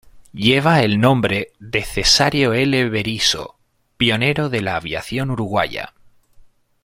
Lleva el nombre de Cesáreo L. Berisso, pionero de la aviación uruguaya.